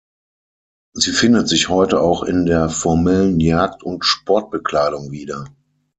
Sie findet sich heute auch in der formellen Jagd- und Sportbekleidung wieder.